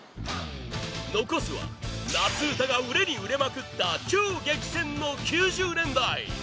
残すは夏うたが売れに売れまくった超激戦の９０年代！